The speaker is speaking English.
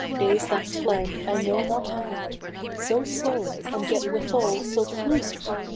days that fled I know not how ! So slow, and yet withal, so fleet